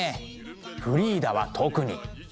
フリーダは特に。